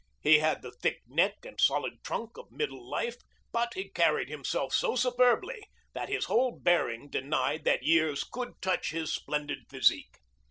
He had the thick neck and solid trunk of middle life, but he carried himself so superbly that his whole bearing denied that years could touch his splendid physique.